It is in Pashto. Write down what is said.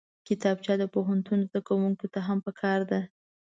کتابچه د پوهنتون زدکوونکو ته هم پکار ده